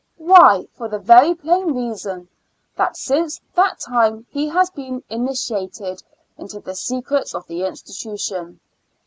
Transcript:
Why? for the very plain reason, that since that time he has been inintiated into the secrets of the institution.